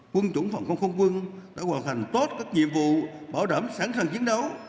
quân chủng phòng không không quân đã hoàn thành tốt các nhiệm vụ bảo đảm sẵn sàng chiến đấu